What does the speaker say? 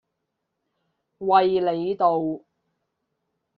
衛理道